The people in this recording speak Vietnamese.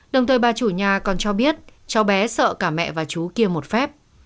đồng thời bà chủ nhà còn cho biết cháu bé sợ cả mẹ và chú kia một phép